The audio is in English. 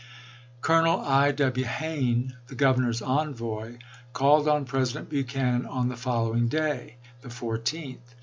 Colonel I. W. Hayne, the Governor's envoy, called on President Buchanan on the following day, the 14th.